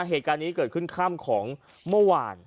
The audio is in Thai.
เหตุการณ์นี้เกิดขึ้นค่ำของเมื่อวาน